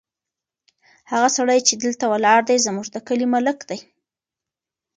هغه سړی چې دلته ولاړ دی، زموږ د کلي ملک دی.